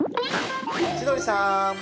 千鳥さーん